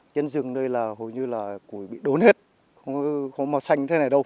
trên rừng đây hồi như là củi bị đốn hết không màu xanh thế này đâu